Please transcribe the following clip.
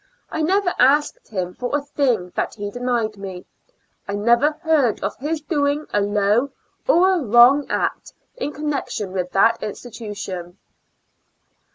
I never asked him for a thing' that he denied me. I never heard of his doino^ a low or a wrono" act in connection with that institution.